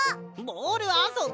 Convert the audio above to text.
ボールあそび！